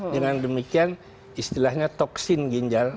dengan demikian istilahnya toksin ginjal